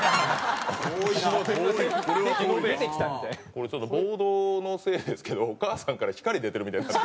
これちょっとボードのせいですけどお母さんから光出てるみたいになってる。